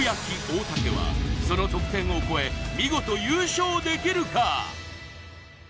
大竹はその得点を超え見事優勝できるか？